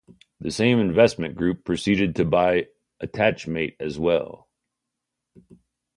The same investment group proceeded to buy Attachmate as well.